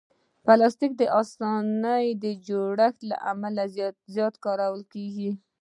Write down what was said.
پلاستيک د اسانه جوړښت له امله زیات کارېږي.